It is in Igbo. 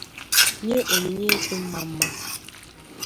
nyee onyinye ịtụ mmamma